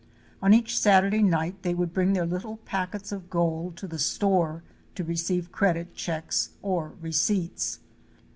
On each Saturday night they would bring their little packets of gold to the store to receive credit checks or receipts.